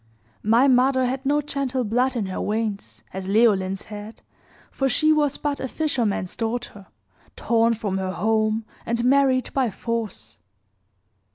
My mother had no gentle blood in her veins, as Leoline's had, for she was but a fisherman's daughter, torn from her home, and married by force.